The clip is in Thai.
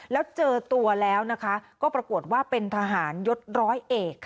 แล้วเจอตัวแล้วนะคะก็ปรากฏว่าเป็นทหารยศร้อยเอก